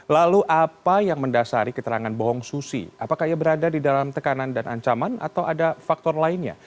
lalu apa yang mendasari keterangan bohong susi apakah ia berada di dalam tekanan dan ancaman atau ada faktor lainnya